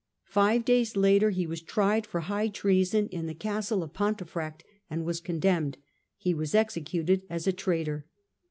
Five days later he was tried for high treason in the castle of Pontefract, and was condemned. He was executed as a traitor.